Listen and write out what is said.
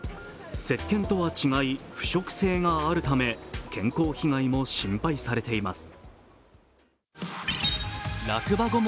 石けんとは違い、腐食性があるため健康被害も心配されています。